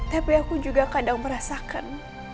tapi aku juga kadang merasakan